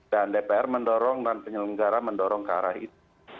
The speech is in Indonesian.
dan dpr mendorong dan penyelenggara mendorong ke arah itu